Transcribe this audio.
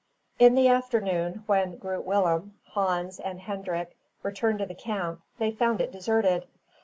In the afternoon, when Groot Willem, Hans, and Hendrik returned to the camp, they found it deserted.